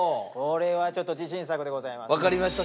これはちょっと自信作でございます。